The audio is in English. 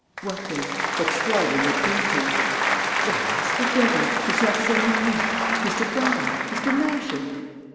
What then? What straw will you cling to? Why, I was forgetting: M. Arsène Lupin! Mr. Growler! Mr. Masher!...